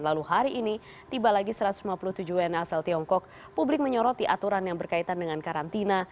lalu hari ini tiba lagi satu ratus lima puluh tujuh wna asal tiongkok publik menyoroti aturan yang berkaitan dengan karantina